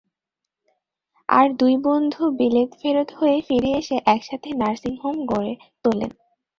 আর দুই বন্ধু বিলেত ফেরত হয়ে ফিরে এসে একসাথে নার্সিং হোম গড়ে তোলেন।